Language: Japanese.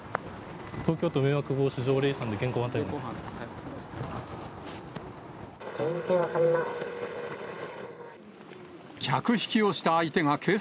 東京都迷惑防止条例違反で現行犯逮捕。